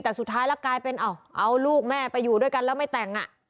แต่สุดท้ายแล้วกลายเป็นเอาลูกแม่ไปอยู่ด้วยกันแล้วไม่แต่ง